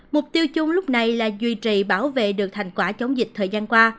mục tiêu chung lúc này là duy trì bảo vệ được thành quả chống dịch thời gian qua